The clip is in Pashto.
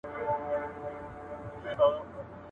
• د هر چا سره پنج، نو دپنج د خاوند سره هم پنج.